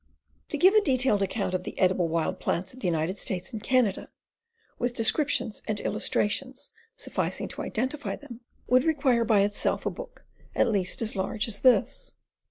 To give a detailed account of the edible wild plants of the United States and Canada, with descriptions and illustrations sufficing to identify them, would re quire by itself a book at least as large as this.